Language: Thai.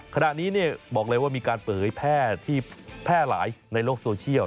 ขณะนี้บอกเลยว่ามีการเผยแพร่ที่แพร่หลายในโลกโซเชียล